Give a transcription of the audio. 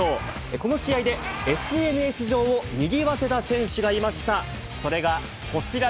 この試合でＳＮＳ上をにぎわせた選手がいました。